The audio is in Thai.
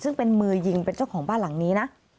ซึ่งเป็นมือยิงเป็นเจ้าของบ้านหลังนี้นะ